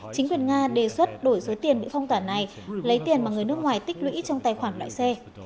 chính quyền nga đề xuất đổi số tiền bị phong tỏa này lấy tiền mà người nước ngoài tích lũy trong tài khoản loại xe